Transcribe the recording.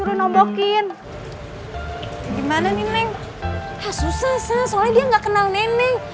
hah susah sasah soalnya dia gak kenal neneng